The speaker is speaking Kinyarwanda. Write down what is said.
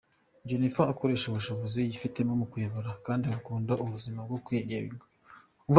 Jennifer akoresha ubushobozi yifitemo mu kuyobora kandi agakunda ubuzima bwo kwigenga.